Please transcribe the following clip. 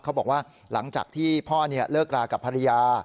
เขาบอกว่าหลังจากที่พ่อเลิกรากับภรรยา